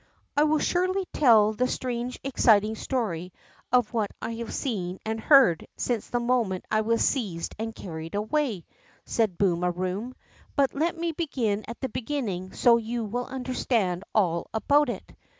I will surely tell the strange, exciting story of what I have seen and heard since the moment I was seized and carried away," said Boom a THE EAGLETS NEST Room, " but let me begin at the beginning so you will understand all about it.